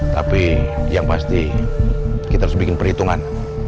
tapi yang pasti kita harus bikin perhitungan